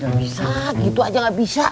gak bisa gitu aja gak bisa